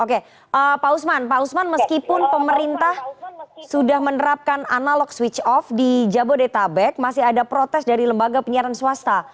oke pak usman pak usman meskipun pemerintah sudah menerapkan analog switch off di jabodetabek masih ada protes dari lembaga penyiaran swasta